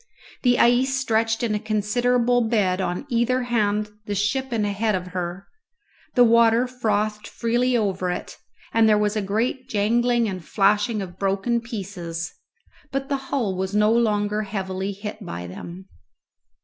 The ice stretched in a considerable bed on either hand the ship and ahead of her; the water frothed freely over it, and there was a great jangling and flashing of broken pieces, but the hull was no longer heavily hit by them.